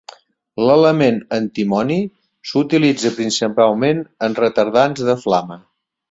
L'element antimoni s'utilitza principalment en retardants de flama.